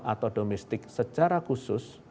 atau domestik secara khusus